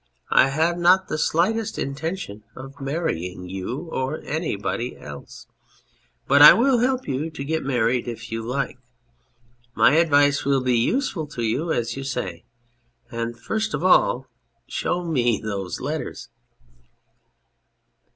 I have not the slightest intention of marrying you or anybody else. But I will help you to get married if you like. My advice will be useful to you, as you say. And, first of all, show me those letters.